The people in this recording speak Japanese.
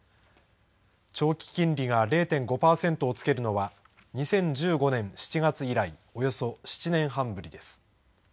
長期金利が０．５パーセントを付けるのは２０１５年７月以来およそ７年半ぶりです。